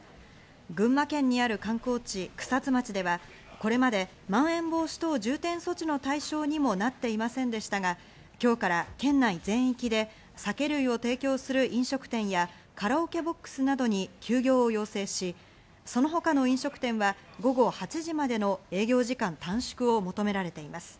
群馬県にある観光地・草津町では、これまでまん延防止等重点措置の対象にもなっていませんでしたが今日から県内全域で酒類を提供する飲食店やカラオケボックスなどに休業を要請し、その他の飲食店は午後８時までの営業時間短縮を求められています。